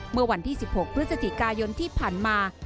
เมื่อวันที่๑๖พฤศจิกายนที่ผ่านมา